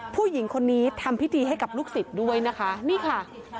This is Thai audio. ผู้หญิงคนนี้ทำพิธีให้กับลูกศิษย์ด้วยนะคะนี่ค่ะ